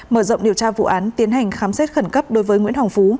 mở rộng điều tra vụ án tiến hành khám xét khẩn cấp đối với nguyễn hồng phú